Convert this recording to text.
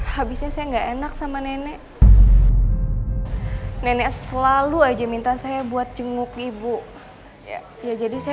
habisnya saya nggak enak sama nenek nenek setelah lu aja minta saya buat jenguk ibu ya jadi saya